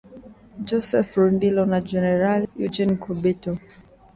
Joseph Rurindo na jenerali Eugene Nkubito